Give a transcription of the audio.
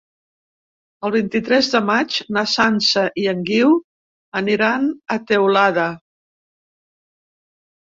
El vint-i-tres de maig na Sança i en Guiu aniran a Teulada.